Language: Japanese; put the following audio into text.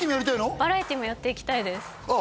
バラエティもやっていきたいですあ